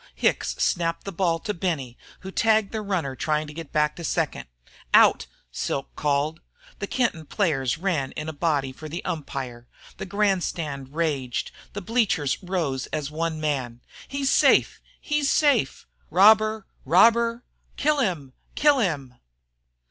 Hicks snapped the ball to Benny, who tagged the runner trying to get back to second. "Out!" called Silk. The Kenton players ran in a body for the umpire. The grandstand raged; the bleachers rose as one man. "He's safe! He's safe!" "Robber! Robber!" "Kill him! Kill him!"